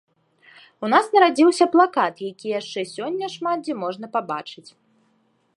У нас нарадзіўся плакат, які яшчэ сёння шмат дзе можна пабачыць.